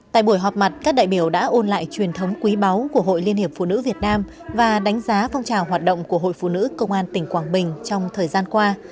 tại buổi họp mặt các đại biểu đã ôn lại truyền thống quý báu của hội liên hiệp phụ nữ việt nam và đánh giá phong trào hoạt động của hội phụ nữ công an tỉnh quảng bình trong thời gian qua